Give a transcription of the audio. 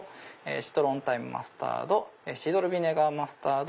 シトロン・タイムマスタードシードルヴィネガーマスタード。